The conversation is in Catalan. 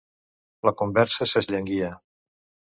La conversa s'esllanguia